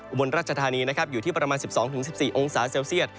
อุบลราชธานีอยู่ที่ประมาณ๑๒๑๔องศาเซลเซียส